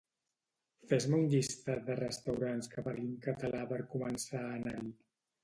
Fes-me un llistat de restaurants que parlin català per començar a anar-hi